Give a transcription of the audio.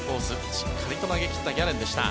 しっかり投げ切ったギャレンでした。